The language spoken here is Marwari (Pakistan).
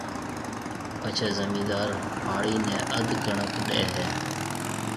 پڇيَ زميندار هاڙِي نَي اڌ ڪڻڪ ڏيَ هيَ۔